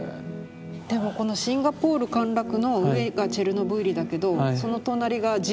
でもこの「シンガポール陥落」の上がチェルノブイリだけどその隣が「自分に正直な着こなし」とかね。